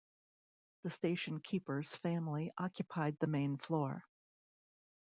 The station keeper's family occupied the main floor.